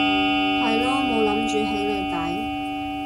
係囉冇諗住起你底